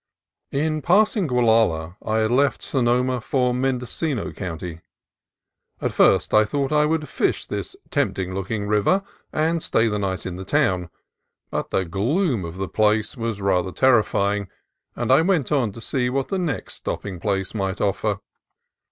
IN passing the Gualala I had left Sonoma for Men docino County. At first I thought I would fish this tempting looking river, and stay the night in the town, but the gloom of the place was rather terrify ing, and I went on to see what the next stopping place might offer.